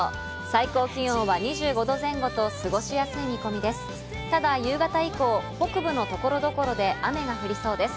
最高気温は２５度前後と過ごしやすい見込みです。